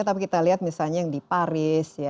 tapi kita lihat misalnya yang di paris